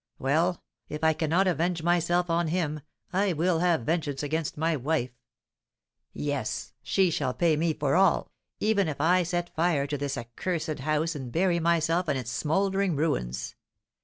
Well, if I cannot avenge myself on him, I will have vengeance against my wife, yes, she shall pay me for all, even if I set fire to this accursed house and bury myself in its smouldering ruins.